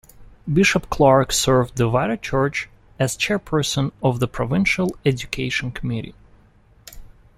Bishop Clarke served the wider church as chairperson of the Provincial Education Committee.